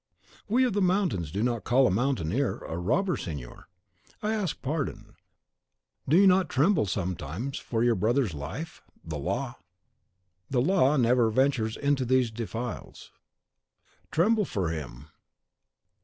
"We of the mountains do not call a mountaineer 'a robber,' signor." "I ask pardon. Do you not tremble sometimes for your brother's life? The law " "Law never ventures into these defiles. Tremble for him!